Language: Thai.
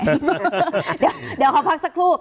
จะตอบง่ายก็ได้เดี๋ยวขอพักสักครู่